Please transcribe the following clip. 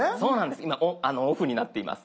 今オフになっています。